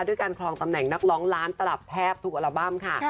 ด้วยการคลองตำแหน่งนักร้องล้านตลับแทบทุกอัลบั้มค่ะ